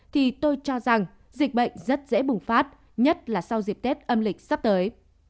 thì tôi cho rằng dịch bệnh rất dễ bùng phát nhất là sau dịp tết âm lịch sắp tới